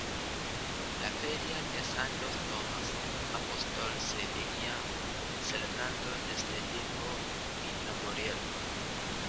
La feria de "Santo Tomás Apóstol" se venía celebrando desde tiempo inmemorial.